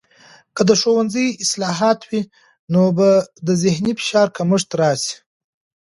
که د ښوونځي اصلاحات وي، نو به د ذهني فشار کمښت راسي.